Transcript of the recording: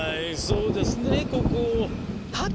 そうですね国王。